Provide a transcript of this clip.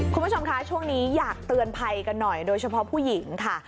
คุณผู้ชมคะช่วงนี้อยากเตือนภัยกันหน่อยโดยเฉพาะผู้หญิงค่ะ